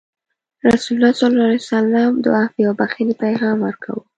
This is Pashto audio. رسول الله صلى الله عليه وسلم د عفوې او بخښنې پیغام ورکوه.